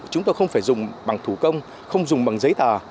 chúng tôi không phải dùng bằng thủ công không dùng bằng giấy tờ